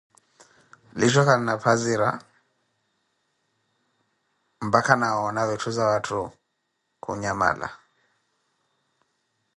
Liisho kalina phazira, mpakha na woona vitthizawatthu kunyamala.